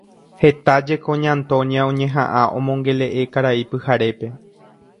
Heta jeko Ña Antonia oñeha'ã omongele'e Karai Pyharépe.